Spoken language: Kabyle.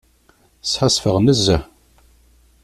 Sḥassfeɣ nezzeh.